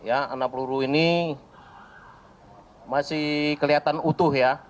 anak peluru ini masih kelihatan utuh ya